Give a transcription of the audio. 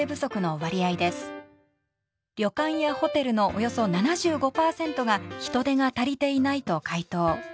旅館やホテルのおよそ７５％が人手が足りていないと回答。